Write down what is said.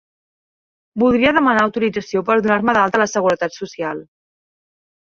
Voldria demanar autorització per donar-me d'alta a la seguretat social.